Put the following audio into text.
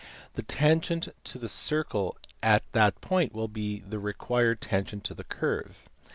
The tangent to the circle at that point will be the required tangent to the curve.